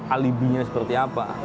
alibinya seperti apa